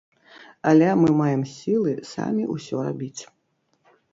Але мы маем сілы самі ўсё рабіць.